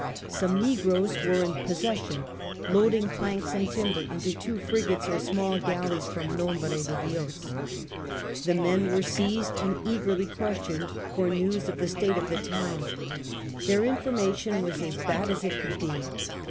Some negroes were in possession, loading planks and timber into two frigates or small galleys from Nombre de Dios. The men were seized and eagerly questioned for news of the state of the town. Their information II THE MAROONS 23 was as bad as it could be.